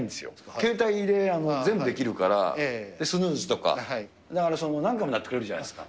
携帯で全部できるから、スヌーズとか、だから何回も鳴ってくれるじゃないですか。